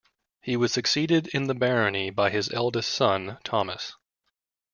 He was succeeded in the barony by his eldest son, Thomas.